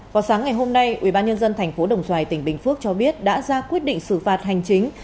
vào sáng ngày hôm nay ubnd tp đồng xoài tỉnh bình phước cho biết đã ra quyết định xử phạt hành chính